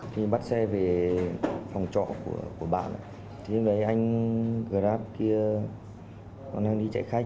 khi bắt xe về phòng trọ của bạn anh grab kia đang đi chạy khách